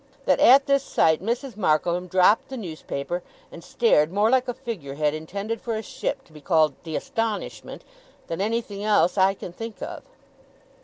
That at this sight Mrs. Markleham dropped the newspaper, and stared more like a figure head intended for a ship to be called The Astonishment, than anything else I can think of.